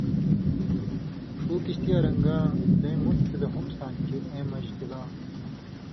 ݜُو کِشتیاں رن٘گاں زَیں مُت څیزہۡ ہُم سان٘دیۡ چے اېں مژ تِلاں۔